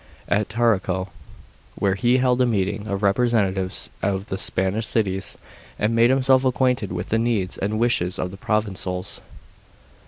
at Tarraco, where he held a meeting of representatives of the Spanish cities, and made himself acquainted with the needs and wishes of the provincials.